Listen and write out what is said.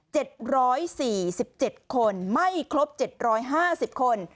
ร้อยสี่สิบเจ็ดคนไม่ครบเจ็ดร้อยห้าสิบคน